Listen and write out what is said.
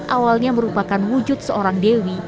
awalnya merupakan wujud seorang dewi